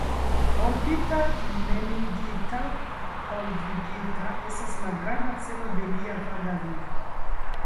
Rompita, neniigita, polvigita estas la granda celo de lia vaga vivo.